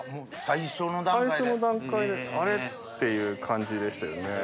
最初の段階であれ？っていう感じでしたよね。